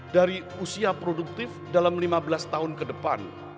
dari usia produktif dalam lima belas tahun ke depan